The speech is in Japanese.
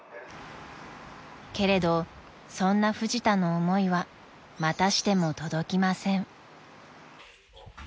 ［けれどそんなフジタの思いはまたしても届きません］